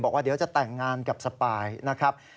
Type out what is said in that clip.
บอกว่าเดี๋ยวจะแต่งงานกับสปายนะครับ